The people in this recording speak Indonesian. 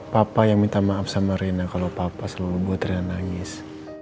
papa yang minta maaf sama rina kalau papa selalu buat rina nangis